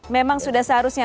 memang sudah seharusnya